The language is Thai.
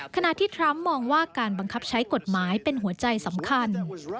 ขณะที่ทรัมป์มองว่าการบังคับใช้กฎหมายเป็นหัวใจสำคัญ